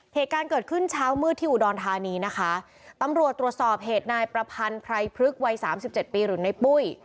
เหตุการณ์เกิดขึ้นเช้ามืดที่อุดรธานีนะคะตำรวจตรวจสอบเหตุนายประพันธ์ไพรพฤกษ์วัยสามสิบเจ็ดปีหรือในปุ้ย